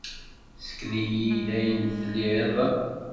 Ssken-iyi-d ayen tlid.